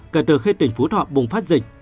kể từ khi tỉnh phú thọ bùng phát dịch